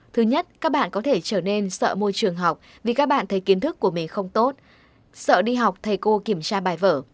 thứ nhất các bạn có thể trở nên sợ môi trường học vì các bạn thấy kiến thức của mình không tốt sợ đi học thầy cô kiểm tra bài vở